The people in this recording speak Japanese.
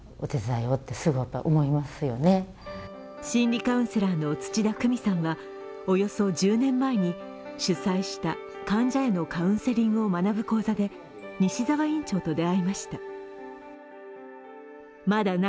心理カウンセラーの土田くみさんはおよそ１０年前に主催した患者へのカウンセリングを学ぶ講座で西澤院長と出会いました。